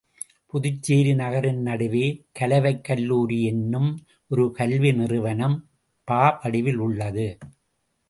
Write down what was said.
புதுச்சேரி நகரின் நடுவே கலவைக் கல்லூரி என்னும் ஒரு கல்வி நிறுவனம் ப வடிவில் உள்ளது.